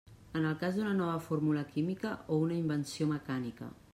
És el cas d'una nova fórmula química o una invenció mecànica.